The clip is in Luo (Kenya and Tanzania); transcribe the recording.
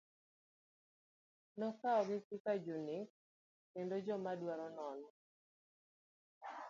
Nokawogi kaka jonek kendo jomadwaro nono.